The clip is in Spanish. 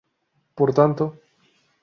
Por tanto